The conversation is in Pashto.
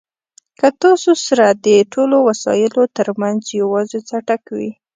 که ستاسو سره د ټولو وسایلو ترمنځ یوازې څټک وي.